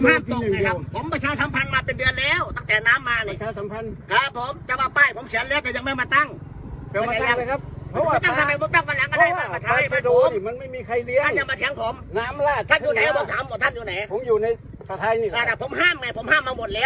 ไม่เกี่ยวกับเป็นไม่ใช่ว่าผ้าสะโดหรือเป็นใคนที่กินทัศน์ต่ำ